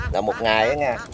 là một ngày đó nha